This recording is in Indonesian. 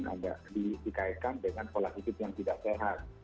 agak dikaitkan dengan pola hidup yang tidak sehat